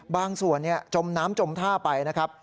บางส่วนจมน้ำจมท่าไปนะครับ